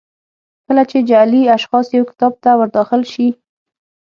کله چې جعلي اشخاص یو کتاب ته ور داخل شي.